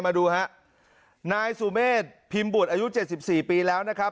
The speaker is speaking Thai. มาดูฮะนายสุเมฆพิมพ์บุตรอายุเจ็ดสิบสี่ปีแล้วนะครับ